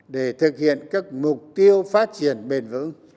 để thực hiện các mục tiêu phát triển bền vững